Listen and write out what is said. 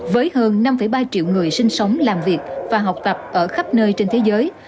với hơn năm ba triệu người sinh sống làm việc và học tập ở khắp nơi trên thế giới